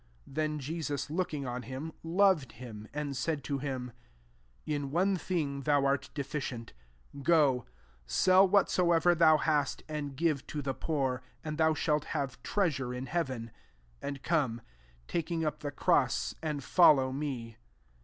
51 Tten Jesus looking on him, lored him, and said to him, i« one thing thou art deficient: go, sell whatsoever tbouhist, and give to [the^ poor, And thou shalt have treasure in heaven: and come, [ttJcing ufi 'Jiecr^%\ and follow me.''